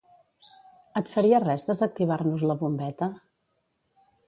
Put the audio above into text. Et faria res desactivar-nos la bombeta?